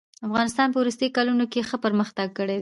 افغانستان په وروستيو کلونو کښي ښه پرمختګ کړی دئ.